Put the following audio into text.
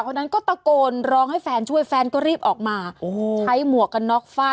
ค่ะทั่วเมืองล่ะค่ะ